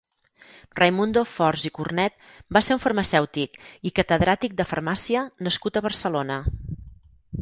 Raimundo Fors i Cornet va ser un farmacèutic i catedràtic de farmàcia nascut a Barcelona.